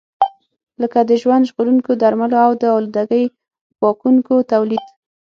لکه د ژوند ژغورونکو درملو او د آلودګۍ پاکونکو تولید.